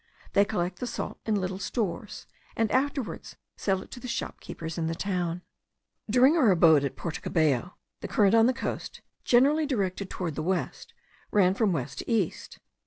They collect the salt in little stores, and afterwards sell it to the shopkeepers in the town. During our abode at Porto Cabello, the current on the coast, generally directed towards the west,* ran from west to east.